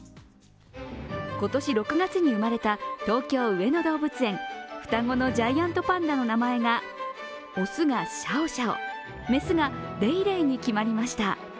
今年６月に生まれた東京・上野動物園、双子のジャイアントパンダの名前が雄がシャオシャオ雌がレイレイに決まりました。